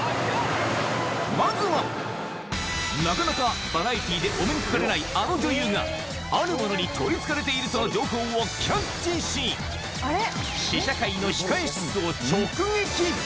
まずはなかなかバラエティーでお目にかかれないあの女優があるものに取り憑かれているとの情報をキャッチし試写会の控室を直撃！